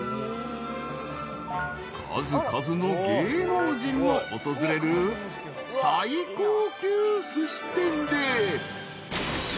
［数々の芸能人も訪れる最高級すし店で］